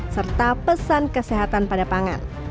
serta pesan kesehatan pada pangan